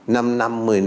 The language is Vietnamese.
năm năm một mươi năm